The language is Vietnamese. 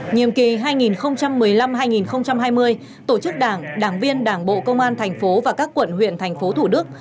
nhiệm kỳ hai nghìn một mươi năm hai nghìn hai mươi tổ chức đảng đảng viên đảng bộ công an thành phố và các quận huyện thành phố thủ đức